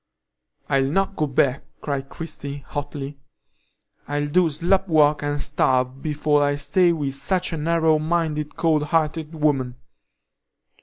"I'll not go back!" cried Christie, hotly. "I'll do slop work and starve, before I'll stay with such a narrow minded, cold hearted woman.